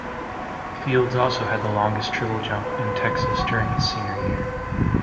Fields also had the longest triple jump in Texas during his senior year.